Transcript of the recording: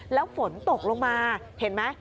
แล้วฝนตกลงมาเห็นไหม